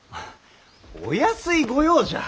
お安い御用じゃ！